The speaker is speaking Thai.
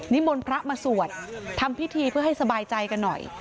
มนต์พระมาสวดทำพิธีเพื่อให้สบายใจกันหน่อย